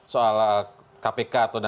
soal kpk atau